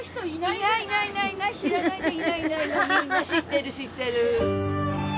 みんな知ってる知ってる。